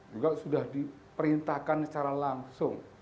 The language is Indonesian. juga sudah diperintahkan secara langsung